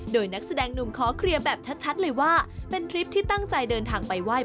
โดยนักแสดงหนุ่มค่อเคลียร์แบบชัดเลยว่า